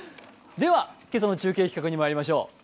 今朝の中継企画にまいりましょう。